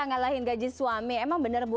ngalahin gaji suami emang bener bu